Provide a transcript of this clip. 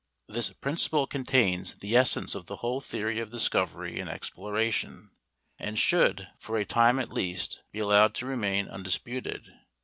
This principle contains the essence of the whole theory of discovery and exploration, and should, for a time at least, be allowed to remain undisputed.